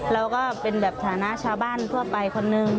เราก็เป็นแบบฐานะชาวบ้านทั่วไปคนนึง